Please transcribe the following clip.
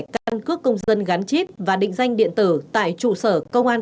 căn cước công dân gắn chip và định danh điện tử tại trụ sở công an